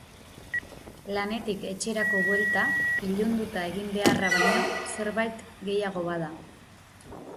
Lanetik etxerako buelta ilunduta egin beharra baino zerbait gehiago bada.